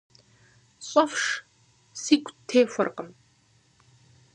Щӏэфш, сигу техуэркъым.